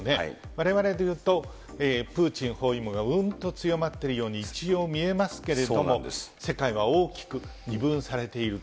われわれでいうと、プーチン包囲網がうんと強まっているように、一応見えますけれども、世界は大きく二分されている。